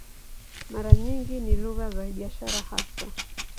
Mara nyingi ni lugha za biashara hasa.